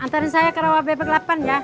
antarin saya ke rawa bp ke delapan ya